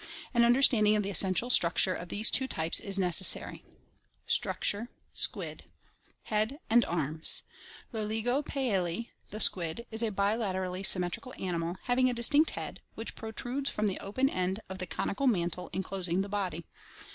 An understanding of the essential structure of these two types is necessary. STRUCTURE Squid Head and Arms. — Loligo pealii, the squid, is a bilaterally sym metrical animal, having a distinct head, which protrudes from the open end of the conical mantle enclosing the body.